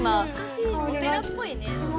お寺っぽいね。